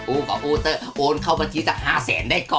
อูก่ะอูเตอร์โอนเข้าบัญชีจากห้าแสนได้ก่อ